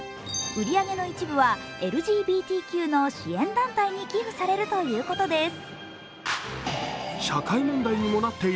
売り上げの一部はＬＧＢＴＱの支援団体に寄付されるということです。